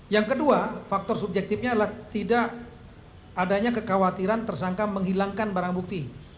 yang kedua faktor subjektifnya adalah tidak adanya kekhawatiran tersangka menghilangkan barang bukti